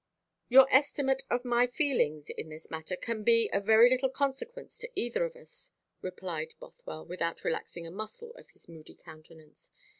"Your estimate of my feelings in this matter can be of very little consequence to either of us," replied Bothwell, without relaxing a muscle of his moody countenance.